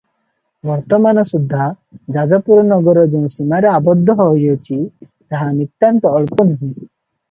ବର୍ତ୍ତମାନ ସୁଦ୍ଧା ଯାଜପୁର ନଗର ଯେଉଁ ସୀମାରେ ଆବଦ୍ଧ ହୋଇଅଛି ତାହା ନିତାନ୍ତ ଅଳ୍ପ ନୂହେ ।